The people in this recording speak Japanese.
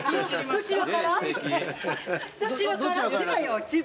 どちらから？